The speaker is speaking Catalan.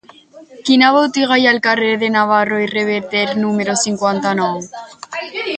Quina botiga hi ha al carrer de Navarro i Reverter número cinquanta-nou?